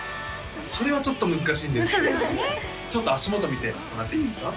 それはちょっと難しいんですけれどもちょっと足元見てもらっていいですか？